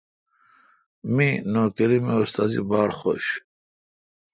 می نوکری می استادی باڑخوش این۔